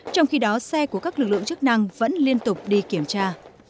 trong khi đó xe của các lực lượng chức năng vẫn liên tục đi kiểm tra